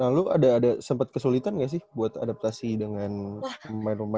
lalu ada sempet kesulitan gak sih buat adaptasi dengan main main